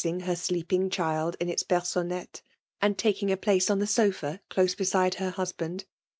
ng her sleeping chilE in its hengannette; «nd taking a place on ihe softi close lieside her kasband.